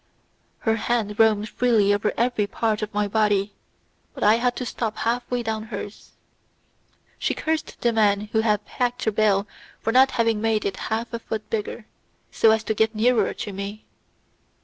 Her hand roamed freely over every part of my body, but I had to stop half way down hers. She cursed the man who had packed the bale for not having made it half a foot bigger, so as to get nearer to me.